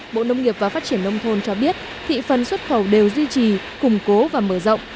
bộ nông nghiệp và phát triển nông thôn cho biết thị phần xuất khẩu đều duy trì củng cố và mở rộng